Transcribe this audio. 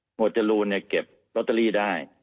หมวดจรูลเก็บลอตเตอรีได้